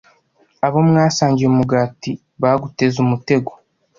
abo mwasangiye umugati baguteze umutego,